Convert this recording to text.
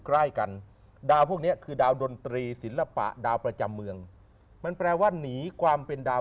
ใกล้กันดาวพวกนี้คือดาวดนตรีศิลปะดาวประจำเมืองมันแปลว่าหนีความเป็นดาว